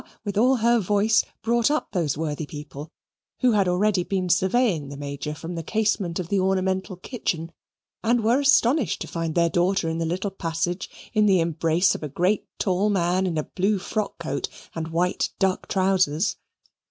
with all her voice, brought up those worthy people, who had already been surveying the Major from the casement of the ornamental kitchen, and were astonished to find their daughter in the little passage in the embrace of a great tall man in a blue frock coat and white duck trousers.